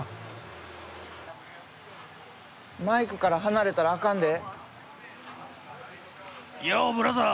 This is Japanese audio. マイクから離れたらあかんで。